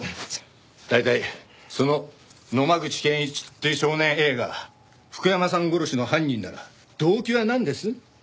大体その野間口健一っていう少年Ａが福山さん殺しの犯人なら動機はなんです？